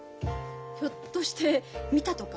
ひょっとして見たとか？